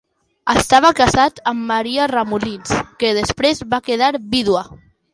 Estava casat amb Maria Remolins, que després va quedar vídua.